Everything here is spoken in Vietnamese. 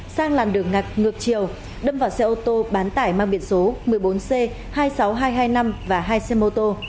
sang làn đường ngạch ngược chiều đâm vào xe ô tô bán tải mang biển số một mươi bốn c hai mươi sáu nghìn hai trăm hai mươi năm và hai xe mô tô